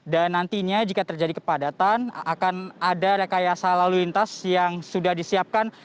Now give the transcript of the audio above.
dan nantinya jika terjadi kepadatan akan ada rekayasa lalu lintas yang sudah disiapkan